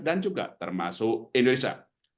dan juga termasuk indonesia